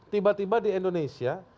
tiba tiba di indonesia